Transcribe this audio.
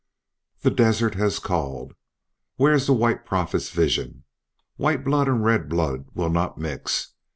"The desert has called. Where is the White Prophet's vision? White blood and red blood will not mix.